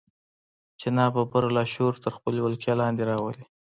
چې ناببره لاشعور تر خپلې ولکې لاندې راولي.